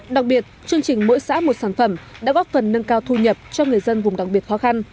đặc biệt chương trình mỗi xã một sản phẩm đã góp phần nâng cao thu nhập cho người dân vùng đặc biệt khó khăn